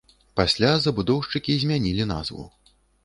Пасля забудоўшчыкі змянілі назву.